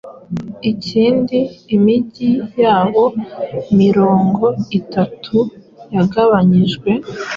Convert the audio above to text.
Kandi imigi yabo mirongo itatu yagabanijwe